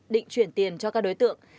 định chuyển tiền cho các đối tượng